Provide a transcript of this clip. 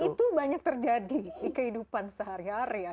nah itu banyak terjadi di kehidupan sehari hari